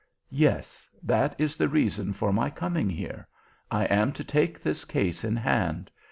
"Yes, that is the reason for my coming here. I am to take this case in hand.